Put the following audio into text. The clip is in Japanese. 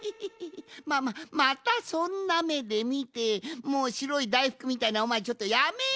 まあまあまたそんなめでみてもうしろいだいふくみたいなおまえちょっとやめろ！